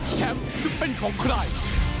แชมป์จะเป็นของใคร